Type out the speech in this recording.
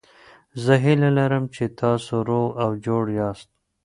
زه هیله لرم چې تاسو روغ او جوړ یاست.